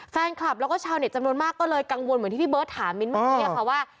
แฟนคลับแล้วก็ชาวเน็ตจำนวนมากก็เลยกังวลเหมือนที่พี่เบิร์ตถามมิ้นท์เมื่อกี้ค่ะว่า